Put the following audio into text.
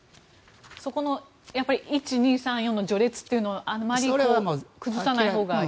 そこの１、２、３、４の序列というのはあまり崩さないほうが。